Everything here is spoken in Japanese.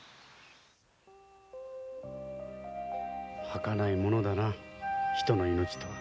はかないものだな人の命とは。